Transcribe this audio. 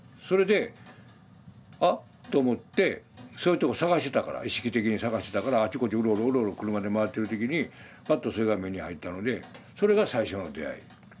それであっと思ってそういうとこ探してたから意識的に探してたからあっちこっちうろうろうろうろ車で回ってる時にパッとそれが目に入ったのでそれが最初の出会い。